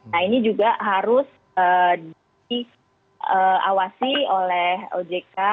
nah ini juga harus diawasi oleh ojk